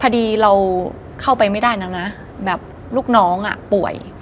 คดีเราเข้าไปไม่ได้แล้วนะแบบลูกน้องอ่ะป่วย